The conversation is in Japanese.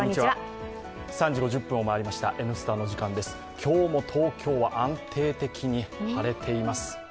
今日も東京は安定的に晴れています。